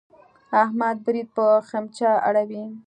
احمد برېت په خمچه اړوي.